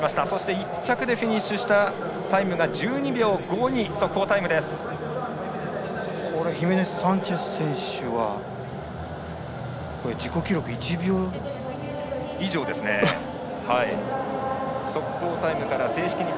１着でフィニッシュしたタイムが１２秒５２という速報タイムです。